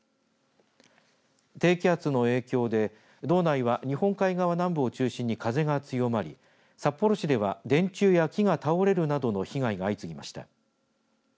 低気圧の影響で道内は、日本海側南部を中心に風が強まり札幌市では電柱や木が倒れるなど被害が相次ぎました。